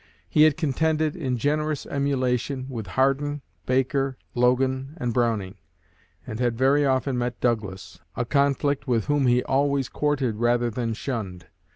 He had contended, in generous emulation, with Hardin, Baker, Logan, and Browning; and had very often met Douglas, a conflict with whom he always courted rather than shunned.